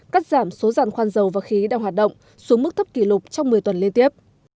cắt giảm số dàn khoan dầu và khí đang hoạt động xuống mức thấp kỷ lục trong một mươi tuần liên tiếp